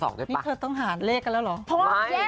นี่เธอต้องหาเลขกันแล้วเหรอ